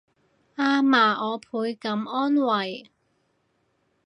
阿嫲我倍感安慰